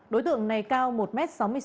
đối tượng này cao một m sáu mươi sáu